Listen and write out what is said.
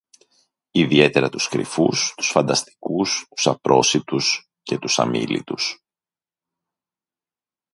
ιδιαίτερα τους κρυφούς, τους φανταστικούς, τους απρόσιτους και τους αμίλητους.